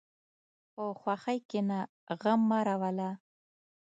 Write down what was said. په خوښۍ کښېنه، غم مه راوله.